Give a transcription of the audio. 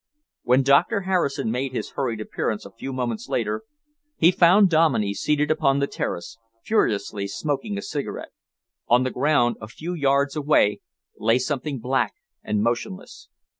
When Doctor Harrison made his hurried appearance, a few moments later, he found Dominey seated upon the terrace, furiously smoking a cigarette. On the ground, a few yards away, lay something black and motionless.